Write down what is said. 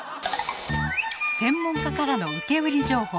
専門家からの受け売り情報。